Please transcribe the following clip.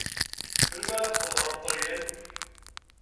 Melmi ara teqqled ɣer Ṭṭalyan?